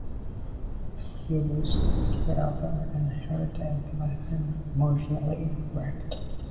He always took care of her, and her death left him emotionally wrecked.